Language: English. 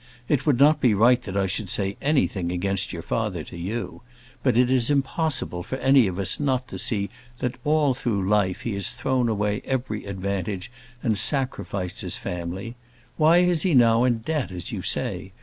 It would not be right that I should say anything against your father to you; but it is impossible for any of us not to see that all through life he has thrown away every advantage, and sacrificed his family. Why is he now in debt, as you say?